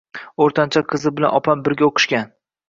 O`rtancha qizi bilan opam birga o`qishgan